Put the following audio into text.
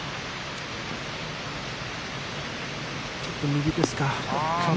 ちょっと右ですか。